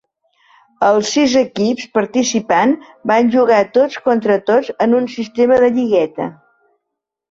Els sis equips participants van jugar tots contra tots en un sistema de lligueta.